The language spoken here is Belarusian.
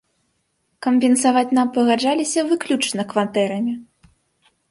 Кампенсаваць нам пагаджаліся выключна кватэрамі.